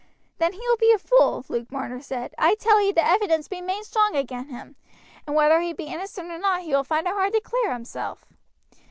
"Then he will be a fool," Luke Marner said. "I tell ee the evidence be main strong agin him, and whether he be innocent or not he will find it hard to clear hisself.